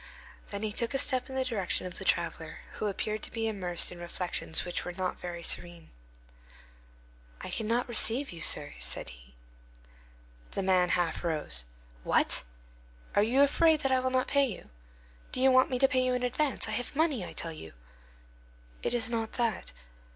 Then he took a step in the direction of the traveller, who appeared to be immersed in reflections which were not very serene. "I cannot receive you, sir," said he. The man half rose. "What! Are you afraid that I will not pay you? Do you want me to pay you in advance? I have money, I tell you." "It is not that."